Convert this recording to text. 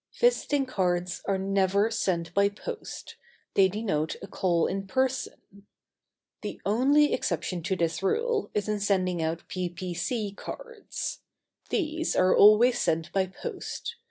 Visiting cards are never sent by post. They denote a call in person. [Sidenote: P.P.C. Cards.] The only exception to this rule is in sending out P.P.C. cards. These are always sent by post.